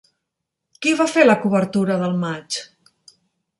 Qui va fer la cobertura del matx?